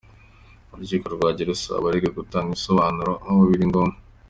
Urukiko rwagiye rusaba abarega gutanga ibisobanuro aho biri ngombwa.